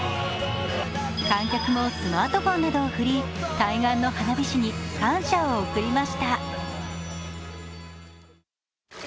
観客もスマートフォンなどを振り対岸の花火師に感謝を送りました。